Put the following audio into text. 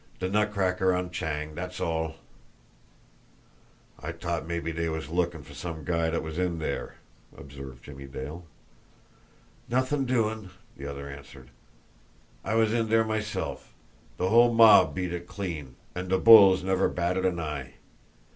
De nutcracker on Chang, dat's all." "I t'ought mabbe dey was lookin' for some guy dat was in dere," observed Jimmie Dale. "Nuthin' doin'!" the other answered. "I was in dere meself. De whole mob beat it clean, an' de bulls never batted an eye.